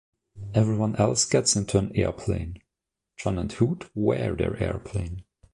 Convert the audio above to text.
Everyone else gets into an airplane; John and Hoot wear their airplane.